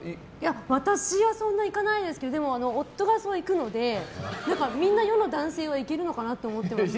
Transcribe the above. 私はそんないかないですけど夫がすごい、いくのでみんな世の男性はいけるのかなと思っていました。